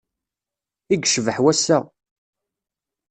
I yecbeḥ wass-a!